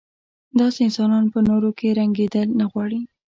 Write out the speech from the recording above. داسې انسانان په نورو کې رنګېدل نه غواړي.